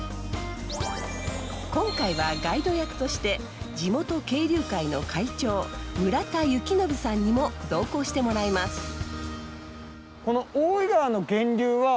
今回はガイド役として地元渓流会の会長村田幸信さんにも同行してもらいます。